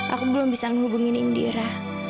aku belum bisa menghubungin indira